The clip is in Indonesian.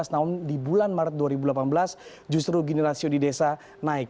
namun di bulan maret dua ribu delapan belas justru gini rasio di desa naik